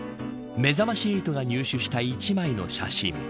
めざまし８が入手した一枚の写真。